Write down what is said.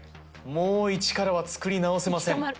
もうイチからは作り直せません。